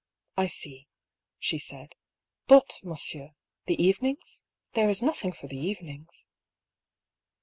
"I see," she said. "But, monsieur, the evenings? There is nothing for the evenings."